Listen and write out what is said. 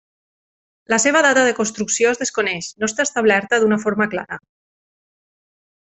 La seva data de construcció es desconeix, no està establerta d'una forma clara.